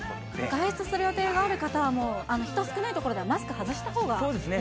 外出する予定がある方は、人少ない所ではマスク外したほうがいいですね。